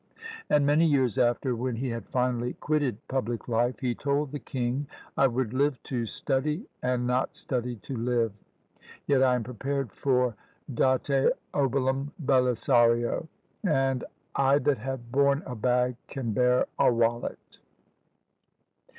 And many years after, when he had finally quitted public life, he told the king, "I would live to study, and not study to live: yet I am prepared for date obolum Belisario; and, I that have borne a bag, can bear a wallet."